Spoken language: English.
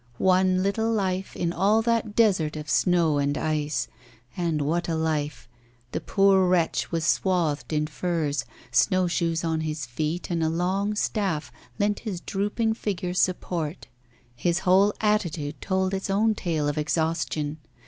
One little life in all that desert of snow and ice. And what a life. The poor wretch was swathed in furs; snow shoes on his feet, and a long staff lent his drooping figure support. His whole attitude told its own tale of exhaustion.